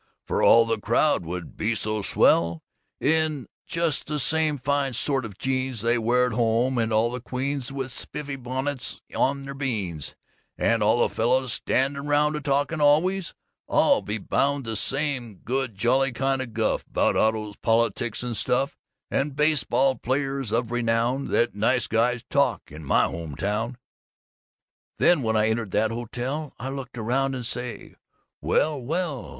For all the crowd would be so swell, in just the same fine sort of jeans they wear at home, and all the queens with spiffy bonnets on their beans, and all the fellows standing round a talkin' always, I'll be bound, the same good jolly kind of guff, 'bout autos, politics and stuff and baseball players of renown that Nice Guys talk in my home town!_ _Then when I entered that hotel, I'd look around and say, "Well, well!"